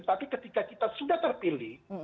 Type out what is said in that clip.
tapi ketika kita sudah terpilih